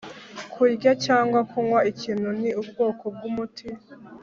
kurya cyangwa kunywa ikintu ni ubwoko bw'umuti.